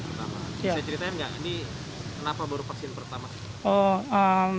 bisa ceritain nggak ini kenapa baru vaksin pertama sih